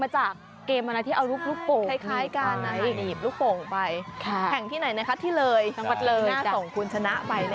ว่าคนนี้สนุกเกินไม้ไผ่มากเลยคุณ